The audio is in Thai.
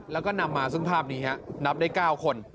แล้วก็นำมาซึ่งภาพนี้นับได้๙คน